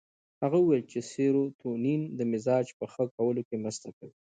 هغه وویل چې سیروتونین د مزاج په ښه کولو کې مرسته کوي.